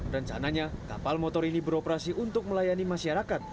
rencananya kapal motor ini beroperasi untuk melayani masyarakat